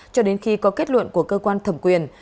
cho đến khi có kết luận của cơ quan thẩm quyền